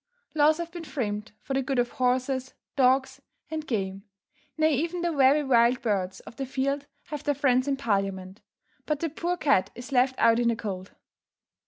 Laws have been framed for the good of horses, dogs, and game; nay, even the very wild birds of the field have their friends in Parliament; but the poor cat is left out in the cold.